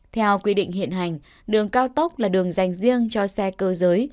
theo quy định hiện hành đường cao tốc là đường dành riêng cho xe cơ giới